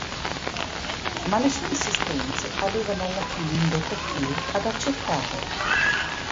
Ma le sue insistenze avevano alla fine indotto Phil ad accettare.